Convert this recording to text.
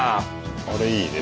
あれいいね。